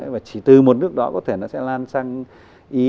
và chỉ từ một nước đó có thể nó sẽ lan sang ý